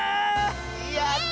えやった！